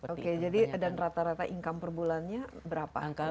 oke jadi dan rata rata income per bulannya berapa